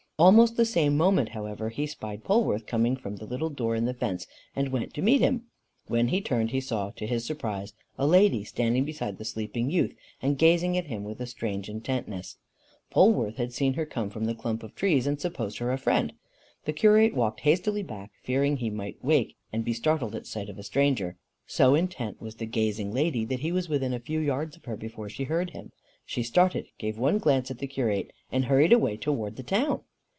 Almost the same moment however, he spied Polwarth coming from the little door in the fence, and went to meet him. When he turned, he saw, to his surprise, a lady standing beside the sleeping youth, and gazing at him with a strange intentness. Polwarth had seen her come from the clump of trees, and supposed her a friend. The curate walked hastily back, fearing he might wake and be startled at sight of the stranger. So intent was the gazing lady that he was within a few yards of her before she heard him. She started, gave one glance at the curate, and hurried away towards the town.